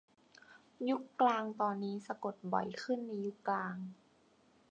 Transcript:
ยุคกลางตอนนี้สะกดบ่อยขึ้นในยุคกลาง